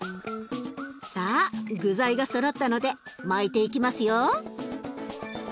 さあ具材がそろったので巻いていきますよ。